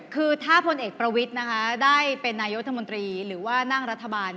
คือถ้าพลเอกประวิทย์ได้เป็นนายโยคธรรมดิหรือว่านั่งรัฐบาล